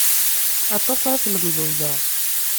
Aṭas ara tlemded da.